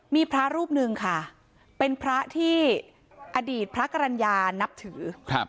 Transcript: มีพระรูปหนึ่งค่ะเป็นพระที่อดีตพระกรรณญานับถือ